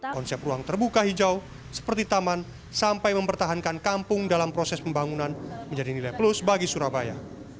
konsep ruang terbuka hijau seperti taman sampai mempertahankan kampung dalam proses pembangunan menjadi nilai plus bagi surabaya